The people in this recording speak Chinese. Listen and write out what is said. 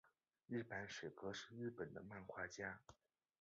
日坂水柯是日本的漫画家。